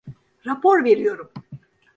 Rapor veriyorum!